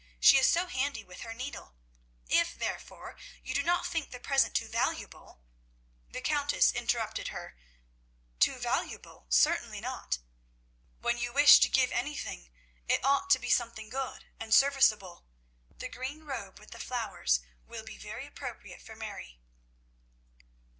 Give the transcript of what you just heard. She is so handy with her needle. If, therefore, you do not think the present too valuable " The Countess interrupted her. "Too valuable! certainly not. When you wish to give anything it ought to be something good and serviceable. The green robe with the flowers will be very appropriate for Mary."